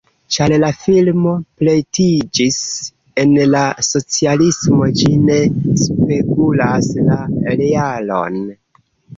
Ĉar la filmo pretiĝis en la socialismo, ĝi ne spegulas la realon.